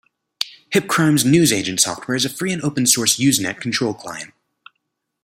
HipCrime's Newsagent software is a free and open source Usenet control client.